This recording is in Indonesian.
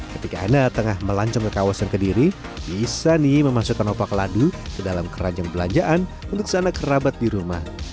ketika anda tengah melancong ke kawasan kediri bisa nih memasukkan opak ladu ke dalam keranjang belanjaan untuk sana kerabat di rumah